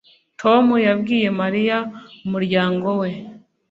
Tom yabwiye Mariya umuryango we